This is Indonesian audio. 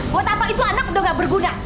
buat apa itu anak udah gak berguna